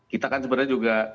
kita kan sebenarnya juga